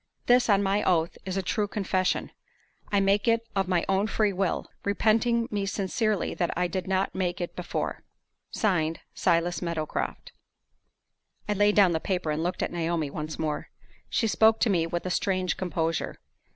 This, on my oath, is a true confession. I make it of my own free will, repenting me sincerely that I did not make it before." (Signed) "SILAS MEADOWCROFT." I laid down the paper, and looked at Naomi once more. She spoke to me with a strange composure.